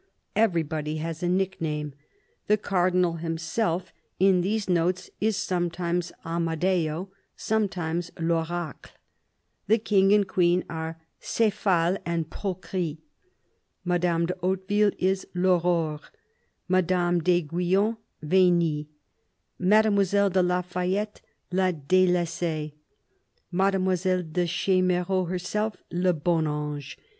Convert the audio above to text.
Everybody has a nickname : the Cardinal himself, in these notes, is sometimes Amadeo, sometimes V Oracle ; the King and Queen are Cephale and Procris ; Madame de Hautefort is I'Aurore, Madame d'Aiguillon Venus, Mademoiselle de la Fayette, la Delaissee, Made moiselle de Ch6merault herself, le bon Ange.